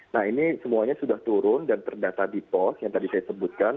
nah ini semuanya sudah turun dan terdata di pos yang tadi saya sebutkan